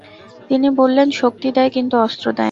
তিনি বললেন, শক্তি দেয়, কিন্তু অস্ত্র দেয় না।